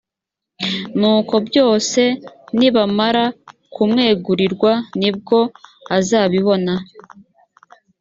nuko byose nibamara kumwegurirwa ni bwo azabibona